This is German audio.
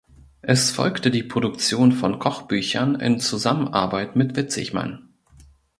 Es folgte die Produktion von Kochbüchern in Zusammenarbeit mit Witzigmann.